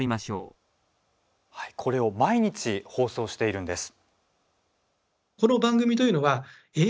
これを毎日、放送しているんです。